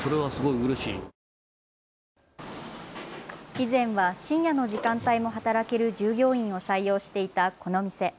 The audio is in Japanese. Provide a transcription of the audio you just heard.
以前は深夜の時間帯も働ける従業員を採用していたこの店。